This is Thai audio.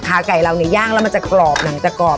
ขาไก่เราเนี้ยย่างแล้วมันจะกรอบหน่อยแต่กรอบ